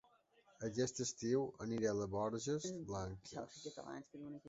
Aquest estiu aniré a Les Borges Blanques